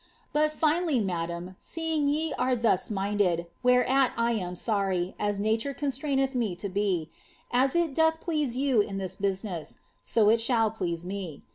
■^ But finally, madamo, seeing ye are thus minded (whereat I am sorry, as Mture constraineth me to be), as it doth please you in this business, so it shall please me.